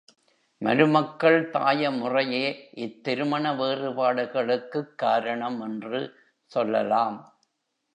மருமக்கள் தாய முறையே இத் திருமண வேறுபாடுகளுக்குக் காரணம் என்று சொல்லலாம்.